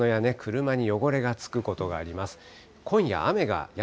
洗濯物やね、車に汚れがつくことがあります。